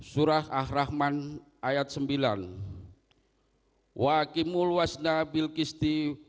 surah al rahman ayat sembilan